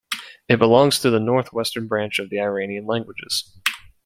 It belongs to the northwestern branch of the Iranian languages.